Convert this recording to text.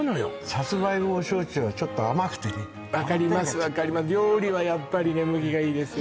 さつま芋の焼酎はちょっと甘くてね分かります料理はやっぱりね麦がいいですよ